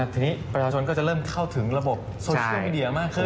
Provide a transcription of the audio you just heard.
ทีนี้ประชาชนก็จะเริ่มเข้าถึงระบบโซเชียลมีเดียมากขึ้น